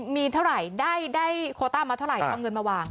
มีเท่าไหร่ได้โคต้ามาเท่าไหร่เอาเงินมาวาง